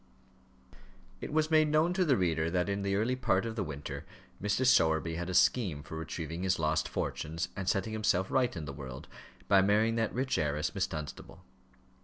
It was made known to the reader that in the early part of the winter Mr. Sowerby had a scheme for retrieving his lost fortunes, and setting himself right in the world, by marrying that rich heiress, Miss Dunstable.